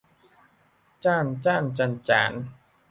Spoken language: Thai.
จาน จ่าน จ้าน จ๊าน จ๋าน